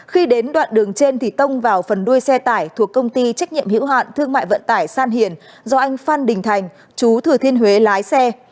khi đến đoạn đường trên thì tông vào phần đuôi xe tải thuộc công ty trách nhiệm hữu hạn thương mại vận tải san hiền do anh phan đình thành chú thừa thiên huế lái xe